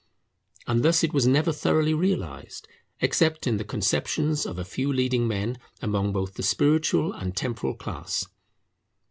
And thus it was never thoroughly realized, except in the conceptions of a few leading men among both the spiritual and temporal class.